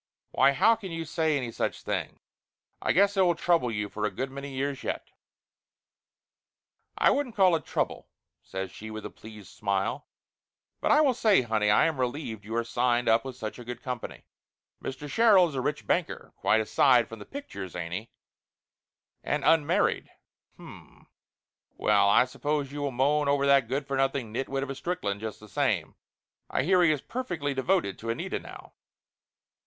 Why how can you say any such thing? I guess I will trouble you for a good many years yet !" "I wouldn't call it trouble," says she with a pleased smile. "But I will say, honey, I am relieved you are signed up with such a good company. Mr. Sherrill is a rich banker, quite aside from the pictures, ain't he? And unmarried. H'm ! Well, I suppose you will moan over that good for nothing nitwit of a Strickland, just the same. I hear he is perfectly devoted to Anita now."